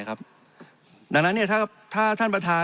ดังนั้นถ้าท่านประธาน